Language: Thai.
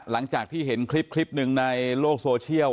หลังจากที่เห็นคลิปหนึ่งในโลกโซเชียล